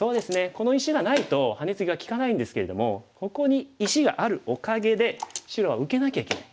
この石がないとハネツギが利かないんですけれどもここに石があるおかげで白は受けなきゃいけない。